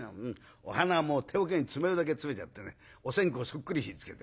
お花も手おけに詰めるだけ詰めてやってねお線香そっくり火つけて。